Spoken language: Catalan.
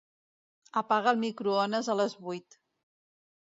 Apaga el microones a les vuit.